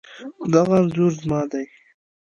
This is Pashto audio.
دغه انځور زما دی